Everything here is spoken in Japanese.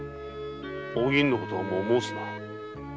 お銀のことはもう申すな。